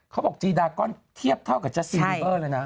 เขาบอกว่าจีรากอนเทียบเท่ากับจัสตินบีเบอร์เลยนะ